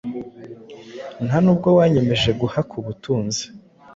Ntanubwo wanyemeje guhaka ubutunzi